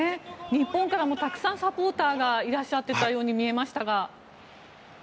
日本からもたくさんサポーターがいらっしゃってたように見えましたが。